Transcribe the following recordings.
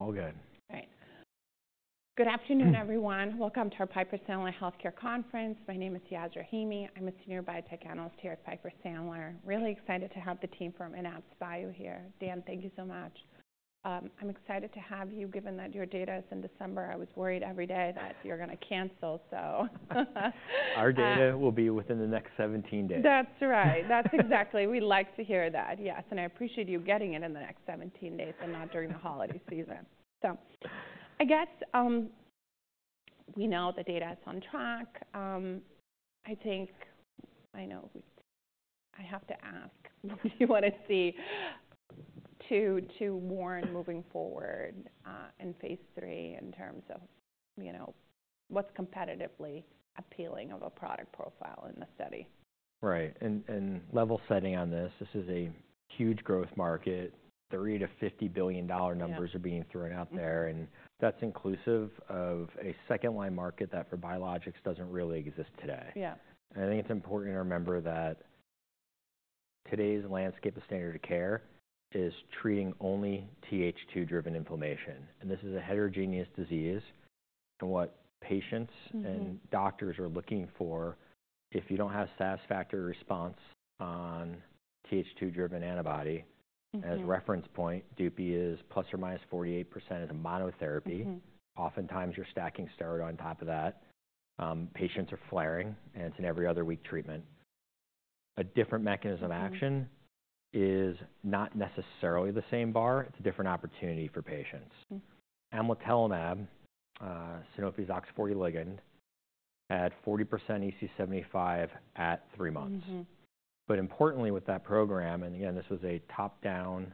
All good. All right. Good afternoon, everyone. Welcome to our Piper Sandler Healthcare Conference. My name is Yas Rahimi. I'm a Senior Biotech Analyst here at Piper Sandler. Really excited to have the team from AnaptysBio here. Dan, thank you so much. I'm excited to have you, given that your data is in December. I was worried every day that you're going to cancel, so. Our data will be within the next 17 days. That's right. That's exactly what we'd like to hear, that yes, and I appreciate you getting it in the next 17 days and not during the holiday season, so I guess we know the data is on track. I think I know I have to ask what do you want to see to warn moving forward in phase three in terms of what's competitively appealing of a product profile in the study. Right. And level setting on this, this is a huge growth market. $30-$50 billion numbers are being thrown out there. And that's inclusive of a second-line market that for biologics doesn't really exist today. And I think it's important to remember that today's landscape of standard of care is treating only Th2-driven inflammation. And this is a heterogeneous disease. And what patients and doctors are looking for, if you don't have satisfactory response on Th2-driven antibody, as reference point, Dupi is plus or minus 48% as a monotherapy. Oftentimes, you're stacking steroid on top of that. Patients are flaring, and it's an every other week treatment. A different mechanism of action is not necessarily the same bar. It's a different opportunity for patients. Amlitelimab, Sanofi's OX40 ligand, had 40% EASI-75 at three months. But importantly, with that program, and again, this was a top-down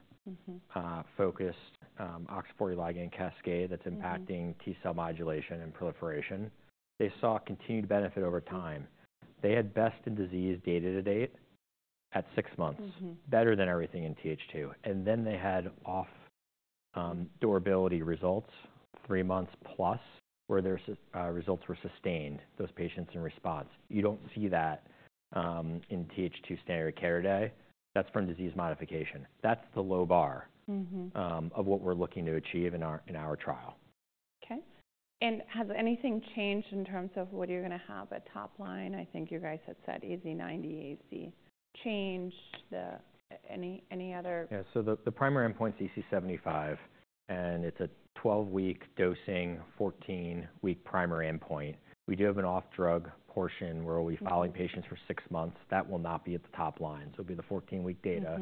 focused OX40 ligand cascade that's impacting T-cell modulation and proliferation, they saw continued benefit over time. They had best-in-disease data to date at six months, better than everything in Th2. And then they had impressive durability results three months plus where their results were sustained, those patients in response. You don't see that in Th2 standard of care today. That's from disease modification. That's the low bar of what we're looking to achieve in our trial. Okay. And has anything changed in terms of what you're going to have at top line? I think you guys had said EASI-90, EASI change. Any other? Yeah, so the primary endpoint's EASI-75, and it's a 12-week dosing, 14-week primary endpoint. We do have an off-drug portion where we'll be following patients for six months. That will not be at the top line, so it'll be the 14-week data.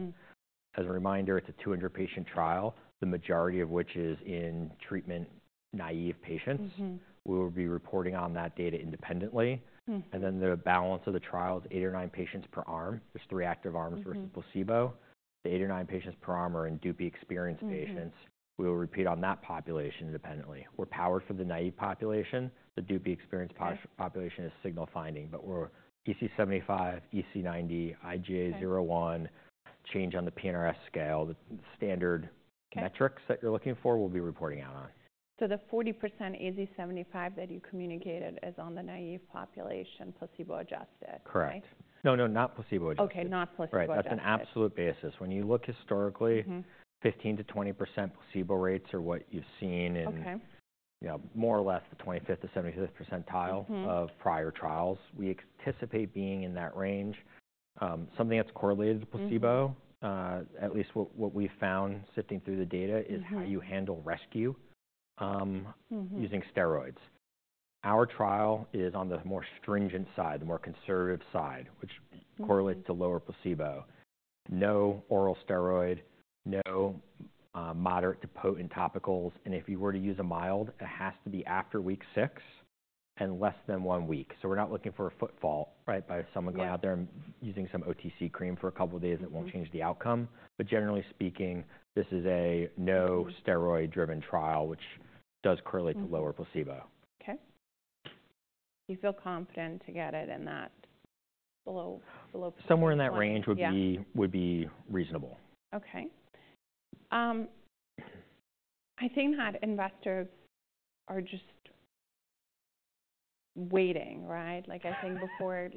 As a reminder, it's a 200-patient trial, the majority of which is in treatment naive patients. We will be reporting on that data independently, and then the balance of the trial is eight or nine patients per arm. There's three active arms versus placebo. The eight or nine patients per arm are in Dupi experienced patients. We will repeat on that population independently. We're powered from the naive population. The Dupi experienced population is signal finding, but we're EASI-75, EASI-90, IGA 0/1, change on the P-NRS scale. The standard metrics that you're looking for, we'll be reporting out on. So the 40% EASI-75 that you communicated is on the naive population placebo-adjusted? Correct. No, no, not placebo-adjusted. Okay. Not placebo-adjusted. Right. That's an absolute basis. When you look historically, 15%-20% placebo rates are what you've seen in more or less the 25th to 75th percentile of prior trials. We anticipate being in that range. Something that's correlated to placebo, at least what we found sifting through the data, is how you handle rescue using steroids. Our trial is on the more stringent side, the more conservative side, which correlates to lower placebo. No oral steroid, no moderate to potent topicals. And if you were to use a mild, it has to be after week six and less than one week. So we're not looking for a pitfall, right, by someone going out there and using some OTC cream for a couple of days. It won't change the outcome. But generally speaking, this is a no steroid-driven trial, which does correlate to lower placebo. Okay. You feel confident to get it in that low? Somewhere in that range would be reasonable. Okay. I think that investors are just waiting, right? I think before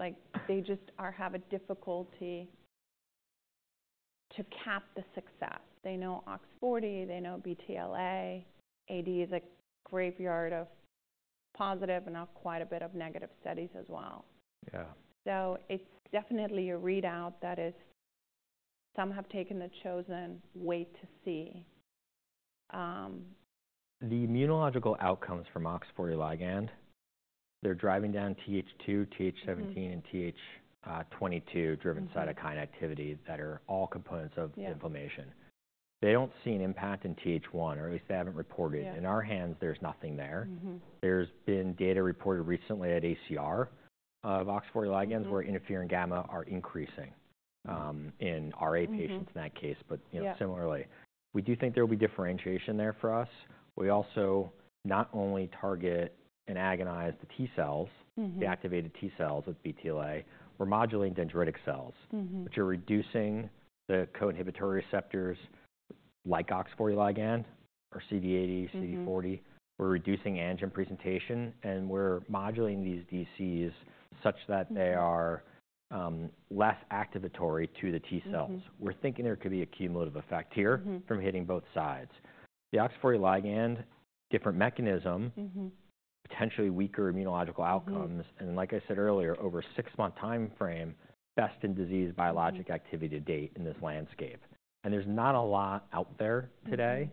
they just have a difficulty to cap the success. They know OX40. They know BTLA. AD is a graveyard of positive and now quite a bit of negative studies as well. Yeah. So it's definitely a readout that some have taken the chosen way to see. The immunological outcomes from OX40 ligand, they're driving down Th2, Th17 and Th22-driven cytokine activity that are all components of inflammation. They don't see an impact in Th1, or at least they haven't reported. In our hands, there's nothing there. There's been data reported recently at ACR of OX40 ligands where interferon gamma are increasing in RA patients in that case, but similarly. We do think there will be differentiation there for us. We also not only target and agonize the T cells, the activated T cells with BTLA. We're modulating dendritic cells, which are reducing the co-inhibitory receptors like OX40 ligand or CD80, CD40. We're reducing antigen presentation, and we're modulating these DCs such that they are less activatory to the T cells. We're thinking there could be a cumulative effect here from hitting both sides. The OX40 ligand, different mechanism, potentially weaker immunological outcomes. And like I said earlier, over a six-month time frame, best in disease biologic activity to date in this landscape. And there's not a lot out there today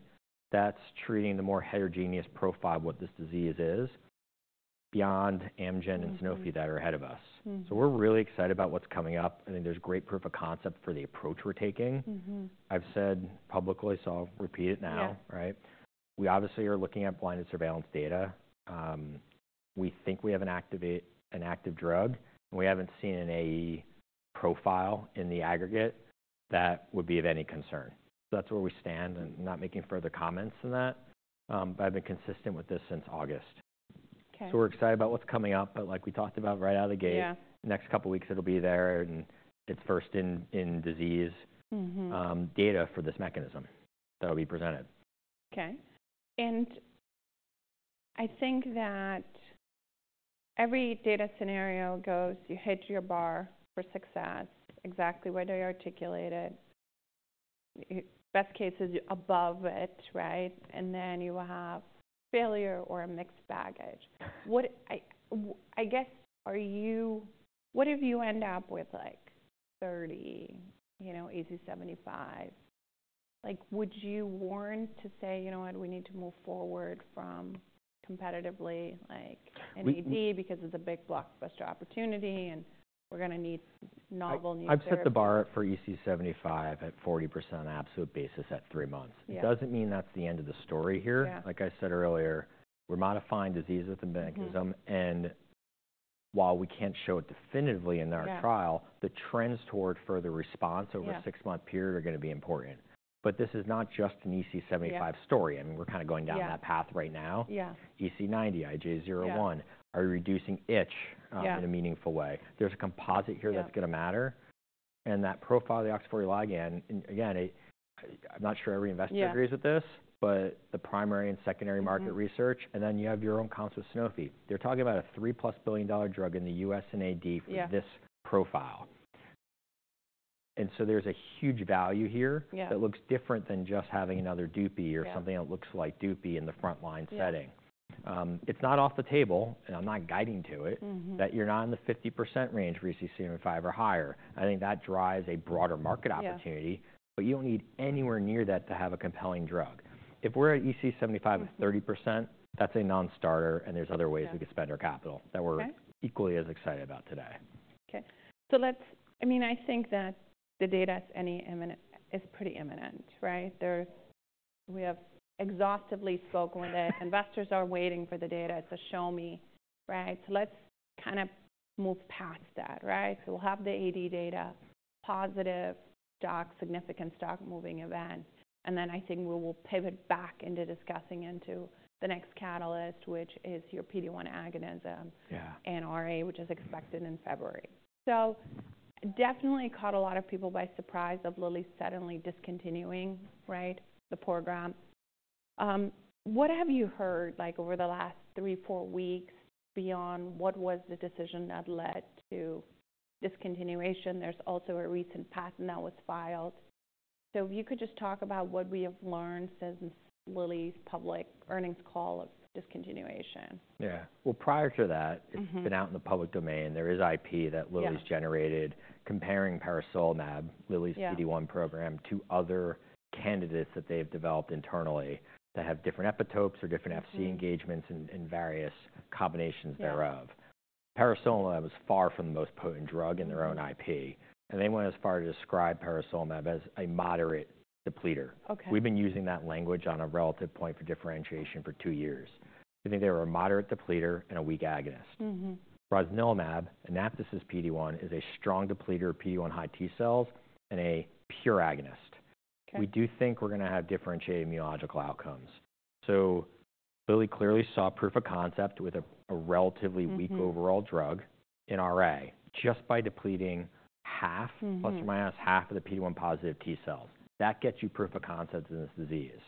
that's treating the more heterogeneous profile of what this disease is beyond Amgen and Sanofi that are ahead of us. So we're really excited about what's coming up. I think there's great proof of concept for the approach we're taking. I've said publicly, so I'll repeat it now, right? We obviously are looking at blinded surveillance data. We think we have an active drug, and we haven't seen an AE profile in the aggregate that would be of any concern. So that's where we stand, and I'm not making further comments on that. But I've been consistent with this since August. So we're excited about what's coming up, but like we talked about right out of the gate, next couple of weeks, it'll be there, and it's first in disease data for this mechanism that will be presented. Okay. And I think that every data scenario goes, you hit your bar for success, exactly whether you articulate it. Best case is you're above it, right? And then you will have failure or a mixed baggage. I guess, what if you end up with 30, EASI-75? Would you want to say, "You know what? We need to move forward for competitive need because it's a big blockbuster opportunity, and we're going to need novel new drugs"? I've set the bar for EASI-75 at 40% absolute basis at three months. It doesn't mean that's the end of the story here. Like I said earlier, we're modifying disease with the mechanism. And while we can't show it definitively in our trial, the trends toward further response over a six-month period are going to be important. But this is not just an EASI-75 story. I mean, we're kind of going down that path right now. EASI-90, IGA 0/1, are reducing itch in a meaningful way. There's a composite here that's going to matter. And that profile of the OX40 ligand, again, I'm not sure every investor agrees with this, but the primary and secondary market research, and then you have your own comps with Sanofi. They're talking about a $3+ billion drug in the U.S. and AD for this profile. And so there's a huge value here that looks different than just having another DUPY or something that looks like DUPY in the front-line setting. It's not off the table, and I'm not guiding to it, that you're not in the 50% range for EASI-75 or higher. I think that drives a broader market opportunity, but you don't need anywhere near that to have a compelling drug. If we're at EASI-75 of 30%, that's a non-starter, and there's other ways we could spend our capital that we're equally as excited about today. Okay. So I mean, I think that the data is pretty imminent, right? We have exhaustively spoken with it. Investors are waiting for the data to show me, right? So let's kind of move past that, right? So we'll have the AD data, positive stock, significant stock moving event. And then I think we will pivot back into discussing into the next catalyst, which is your PD-1 agonism and RA, which is expected in February. So definitely caught a lot of people by surprise of Lilly suddenly discontinuing, right, the program. What have you heard over the last three, four weeks beyond what was the decision that led to discontinuation? There's also a recent patent that was filed. So if you could just talk about what we have learned since Lilly's public earnings call of discontinuation. Yeah. Well, prior to that, it's been out in the public domain. There is IP that Lilly's generated comparing peresolimab, Lilly's PD-1 program, to other candidates that they've developed internally that have different epitopes or different Fc engagements and various combinations thereof peresolimab was far from the most potent drug in their own IP. And they went as far to describe peresolimab as a moderate depleter. We've been using that language on a relative point for differentiation for two years. I think they were a moderate depleter and a weak agonist. Rosnilimab, AnaptysBio PD-1 is a strong depleter of PD-1 high T cells and a pure agonist. We do think we're going to have differentiated immunological outcomes. So Lilly clearly saw proof of concept with a relatively weak overall drug in RA just by depleting half plus or minus half of the PD-1 positive T cells. That gets you proof of concept in this disease.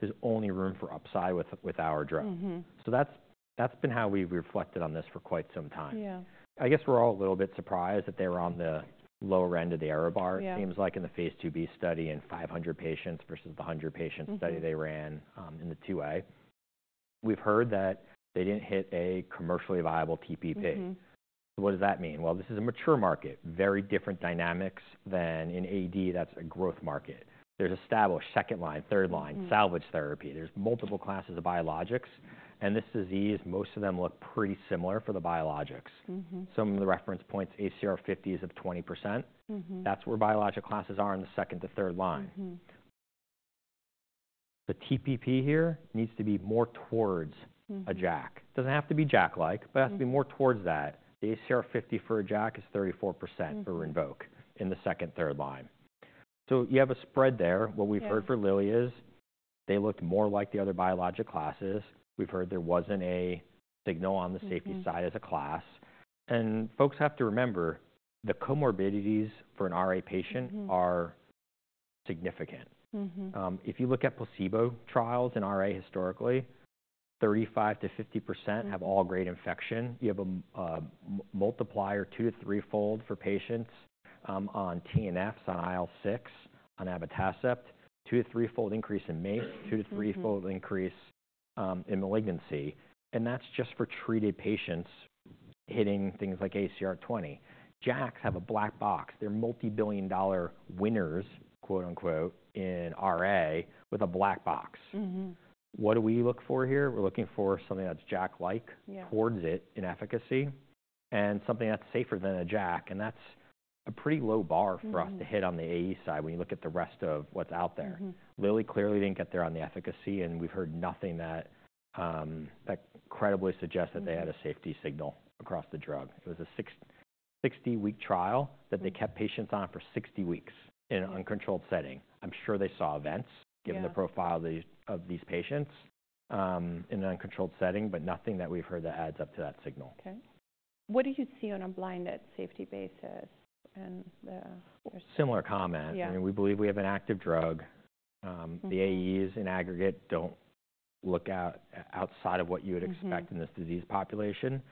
There's only room for upside with our drug. So that's been how we've reflected on this for quite some time. I guess we're all a little bit surprised that they were on the lower end of the error bar, it seems like, in the phase 2b study in 500 patients versus the 100-patient study they ran in the 2a. We've heard that they didn't hit a commercially viable TPP. What does that mean? Well, this is a mature market, very different dynamics than in AD that's a growth market. There's established second line, third line, salvage therapy. There's multiple classes of biologics. And this disease, most of them look pretty similar for the biologics. Some of the reference points, ACR 50s of 20%. That's where biologic classes are in the second to third line. The TPP here needs to be more towards a JAK. It doesn't have to be JAK-like, but it has to be more towards that. The ACR 50 for a JAK is 34% for Rinvoq in the second, third line. So you have a spread there. What we've heard for Lilly is they looked more like the other biologic classes. We've heard there wasn't a signal on the safety side as a class. And folks have to remember the comorbidities for an RA patient are significant. If you look at placebo trials in RA historically, 35 to 50% have all-grade infection. You have a multiplier two to threefold for patients on TNFs, on IL-6, on abatacept, two to threefold increase in MACE, two to threefold increase in malignancy. And that's just for treated patients hitting things like ACR 20. JAKs have a black box. They're "multi-billion dollar winners" in RA with a black box. What do we look for here? We're looking for something that's JAK-like, towards it in efficacy, and something that's safer than a JAK. And that's a pretty low bar for us to hit on the AE side when you look at the rest of what's out there. Lilly clearly didn't get there on the efficacy, and we've heard nothing that credibly suggests that they had a safety signal across the drug. It was a 60-week trial that they kept patients on for 60 weeks in an uncontrolled setting. I'm sure they saw events given the profile of these patients in an uncontrolled setting, but nothing that we've heard that adds up to that signal. Okay. What do you see on a blinded safety basis? Similar comment. I mean, we believe we have an active drug. The AEs in aggregate don't look outside of what you would expect in this disease population.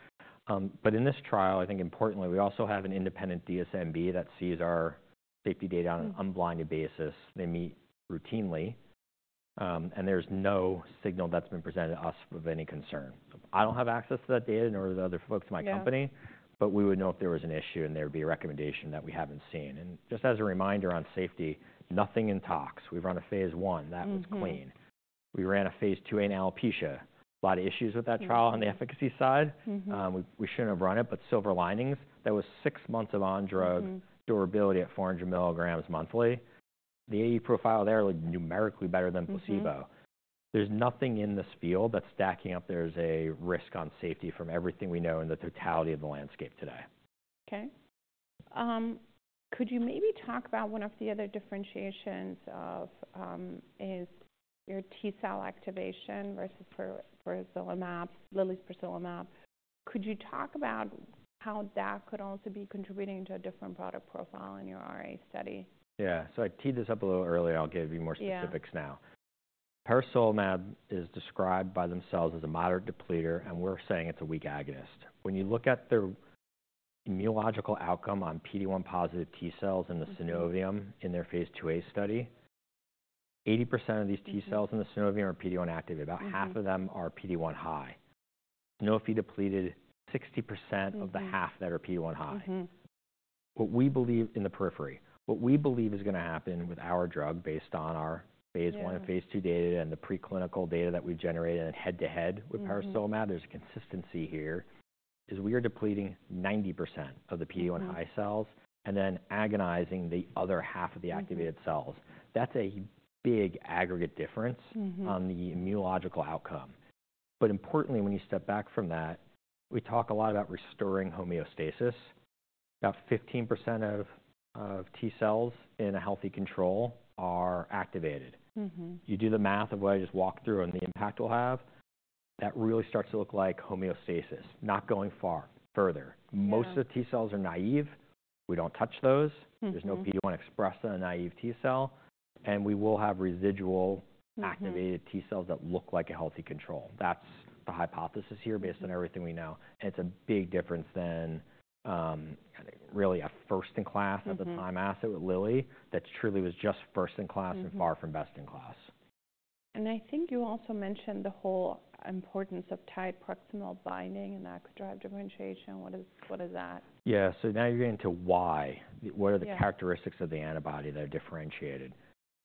But in this trial, I think importantly, we also have an independent DSMB that sees our safety data on an unblinded basis. They meet routinely, and there's no signal that's been presented to us of any concern. I don't have access to that data nor to the other folks in my company, but we would know if there was an issue, and there would be a recommendation that we haven't seen. And just as a reminder on safety, nothing in tox. We've run a phase one. That was clean. We ran a phase two in alopecia. A lot of issues with that trial on the efficacy side. We shouldn't have run it, but silver linings, that was six months of on-drug durability at 400 milligrams monthly. The AE profile there looked numerically better than placebo. There's nothing in this field that's stacking up there as a risk on safety from everything we know in the totality of the landscape today. Okay. Could you maybe talk about one of the other differentiations of your T cell activation versus peresolimab, Lilly's peresolimab? Could you talk about how that could also be contributing to a different product profile in your RA study? Yeah. So I teed this up a little early. I'll give you more specifics now. Peresolimab is described by themselves as a moderate depleter, and we're saying it's a weak agonist. When you look at their immunological outcome on PD-1 positive T cells in the synovium in their phase 2a study, 80% of these T cells in the synovium are PD-1 active. About half of them are PD-1 high. Sanofi depleted 60% of the half that are PD-1 high. What we believe in the periphery, what we believe is going to happen with our drug based on our phase 1 and phase 2 data and the preclinical data that we've generated and head-to-head with Peresolimab, there's a consistency here, is we are depleting 90% of the PD-1 high cells and then agonizing the other half of the activated cells. That's a big aggregate difference on the immunological outcome. But importantly, when you step back from that, we talk a lot about restoring homeostasis. About 15% of T cells in a healthy control are activated. You do the math of what I just walked through and the impact we'll have, that really starts to look like homeostasis, not going far. Further, most of the T cells are naive. We don't touch those. There's no PD-1 expressed on a naive T cell. And we will have residual activated T cells that look like a healthy control. That's the hypothesis here based on everything we know. And it's a big difference than really a first-in-class at the time asset with Lilly that truly was just first-in-class and far from best-in-class. I think you also mentioned the whole importance of tight proximal binding and that could drive differentiation. What is that? Yeah. So now you're getting to why. What are the characteristics of the antibody that are differentiated?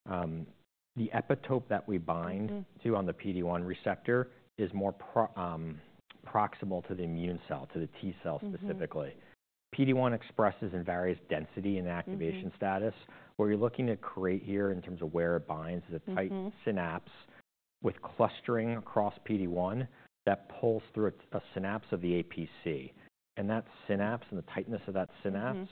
The epitope that we bind to on the PD-1 receptor is more proximal to the immune cell, to the T cell specifically. PD-1 expresses in various density and activation status. What you're looking to create here in terms of where it binds is a tight synapse with clustering across PD-1 that pulls through a synapse of the APC. And that synapse and the tightness of that synapse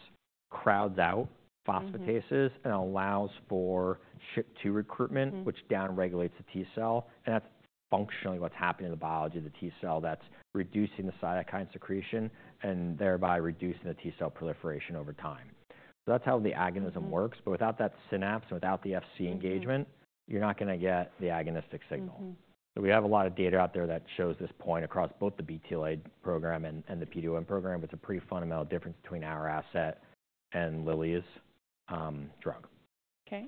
crowds out phosphatases and allows for SHP-2 recruitment, which downregulates the T cell. And that's functionally what's happening in the biology of the T cell that's reducing the cytokine secretion and thereby reducing the T cell proliferation over time. So that's how the agonism works. But without that synapse and without the Fc engagement, you're not going to get the agonistic signal. So we have a lot of data out there that shows this point across both the BTLA program and the PD-1 program. It's a pretty fundamental difference between our asset and Lilly's drug. Okay.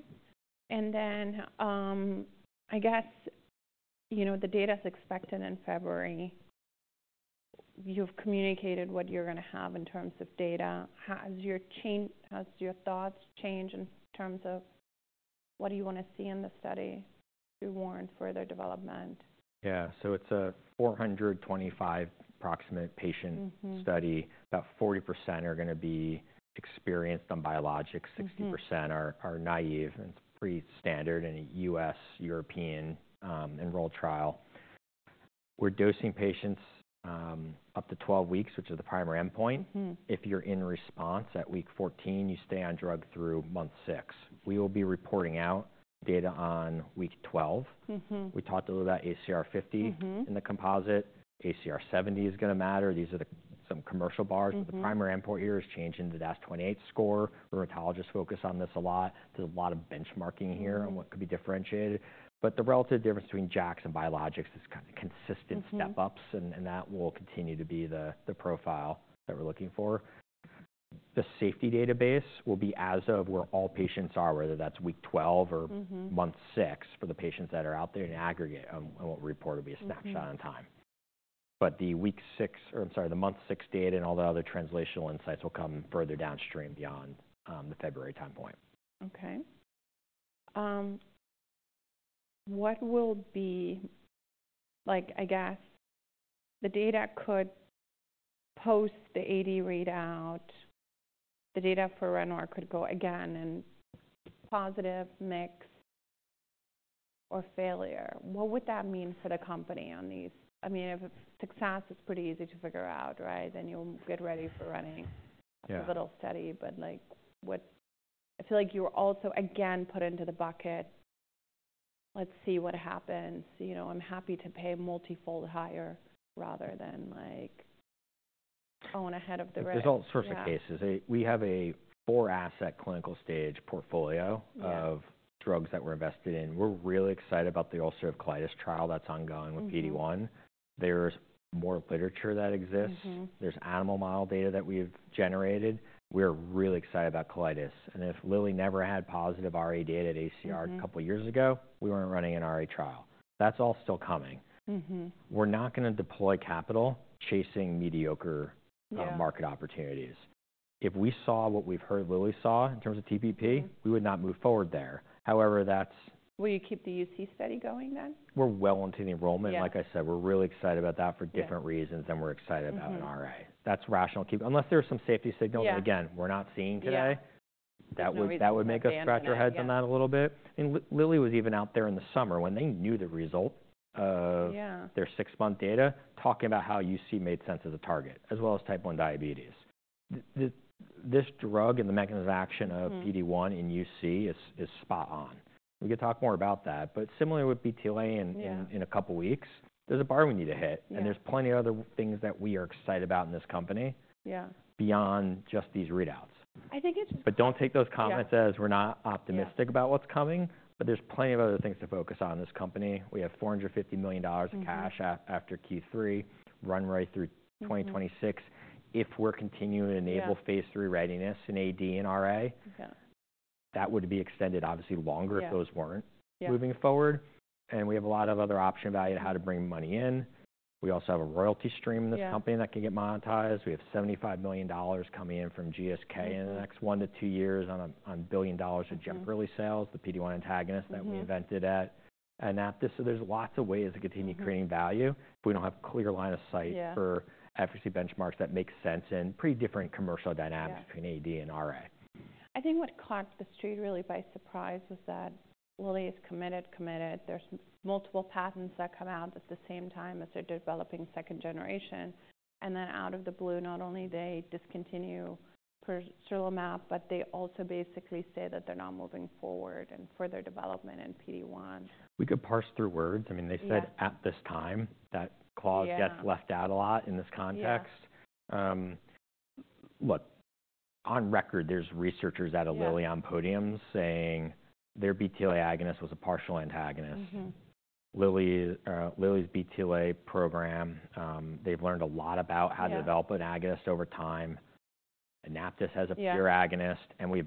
And then I guess the data is expected in February. You've communicated what you're going to have in terms of data. Has your thoughts changed in terms of what do you want to see in the study to warrant further development? Yeah. So it's approximately 425-patient study. About 40% are going to be experienced on biologics. 60% are naive. And it's pretty standard in a U.S., European-enrolled trial. We're dosing patients up to 12 weeks, which is the primary endpoint. If you're in response at week 14, you stay on drug through month six. We will be reporting out data on week 12. We talked a little about ACR 50 in the composite. ACR 70 is going to matter. These are some commercial bars. But the primary endpoint here is changing the DAS-28 score. Rheumatologists focus on this a lot. There's a lot of benchmarking here on what could be differentiated. But the relative difference between JAKs and biologics is kind of consistent step-ups, and that will continue to be the profile that we're looking for. The safety database will be as of where all patients are, whether that's week 12 or month six for the patients that are out there in aggregate, and what we report will be a snapshot in time. But the week six or, I'm sorry, the month six data and all the other translational insights will come further downstream beyond the February time point. Okay. What will be, I guess, the data could post the AD readout, the data for Rosnilimab could go again in positive, mixed, or failure. What would that mean for the company on these? I mean, if success is pretty easy to figure out, right, then you'll get ready for running a little steady. But I feel like you're also again put into the bucket, "Let's see what happens. I'm happy to pay multifold higher rather than own ahead of the rest. There's all sorts of cases. We have a four-asset clinical stage portfolio of drugs that we're invested in. We're really excited about the ulcerative colitis trial that's ongoing with PD-1. There's more literature that exists. There's animal model data that we've generated. We're really excited about colitis. And if Lilly never had positive RA data at ACR a couple of years ago, we weren't running an RA trial. That's all still coming. We're not going to deploy capital chasing mediocre market opportunities. If we saw what we've heard Lilly saw in terms of TPP, we would not move forward there. However, that's. Will you keep the UC study going then? We're well into the enrollment. Like I said, we're really excited about that for different reasons than we're excited about in RA. That's rational keeping unless there's some safety signals that, again, we're not seeing today. That would make us scratch our heads on that a little bit. I mean, Lilly was even out there in the summer when they knew the result of their six-month data talking about how UC made sense as a target, as well as type 1 diabetes. This drug and the mechanism of action of PD-1 in UC is spot on. We can talk more about that. But similarly with BTLA in a couple of weeks, there's a bar we need to hit. And there's plenty of other things that we are excited about in this company beyond just these readouts. I think it's. But don't take those comments as we're not optimistic about what's coming. But there's plenty of other things to focus on in this company. We have $450 million of cash after Q3, run right through 2026. If we're continuing to enable phase three readiness in AD and RA, that would be extended, obviously, longer if those weren't moving forward. And we have a lot of other option value and how to bring money in. We also have a royalty stream in this company that can get monetized. We have $75 million coming in from GSK in the next one to two years on $1 billion of Jemperli sales, the PD-1 antagonist that we invented at AnaptysBio. So there's lots of ways to continue creating value. But we don't have a clear line of sight for efficacy benchmarks that make sense in pretty different commercial dynamics between AD and RA. I think what caught the street really by surprise was that Lilly is committed, committed. There's multiple patents that come out at the same time as they're developing second generation. And then out of the blue, not only do they discontinue peresolimab, but they also basically say that they're not moving forward in further development in PD-1. We could parse through words. I mean, they said at this time that clause gets left out a lot in this context. Look, on record, there's researchers at Lilly on podium saying their BTLA agonist was a partial antagonist. Lilly's BTLA program, they've learned a lot about how to develop an agonist over time. AnaptysBio has a pure agonist, and we've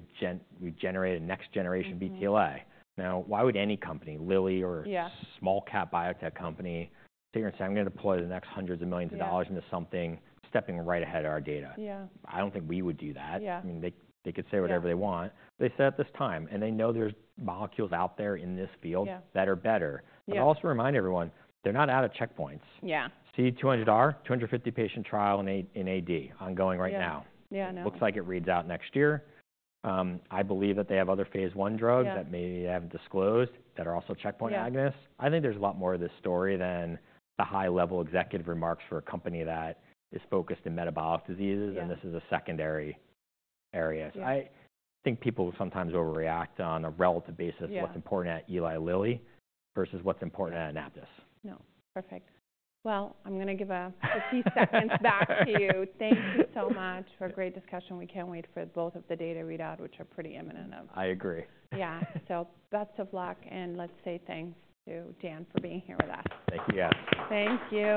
generated next-generation BTLA. Now, why would any company, Lilly or small cap biotech company, sit here and say, "I'm going to deploy the next hundreds of millions of dollars into something stepping right ahead of our data"? I don't think we would do that. I mean, they could say whatever they want. They said at this time. And they know there's molecules out there in this field that are better. But I also remind everyone, they're not out of checkpoints. CD200R, 250-patient trial in AD ongoing right now. Looks like it reads out next year. I believe that they have other phase one drugs that maybe they haven't disclosed that are also checkpoint agonists. I think there's a lot more to this story than the high-level executive remarks for a company that is focused in metabolic diseases, and this is a secondary area. I think people sometimes overreact on a relative basis to what's important at Eli Lilly versus what's important at AnaptysBio. No. Perfect. Well, I'm going to give a few seconds back to you. Thank you so much for a great discussion. We can't wait for both of the data readouts, which are pretty imminent. I agree. Yeah. So best of luck, and let's say thanks to Dan for being here with us. Thank you. Thank you.